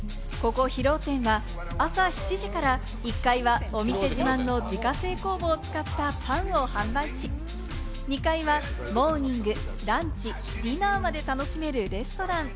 ここ広尾店は朝７時から１階はお店自慢の自家製工房を使ったパンを販売し、２階はモーニング、ランチ、ディナーまで楽しめるレストラン。